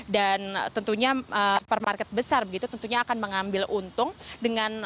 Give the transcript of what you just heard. dan tentunya supermarket besar begitu tentunya akan mengambil untung